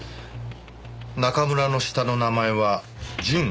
中村の下の名前は「隼」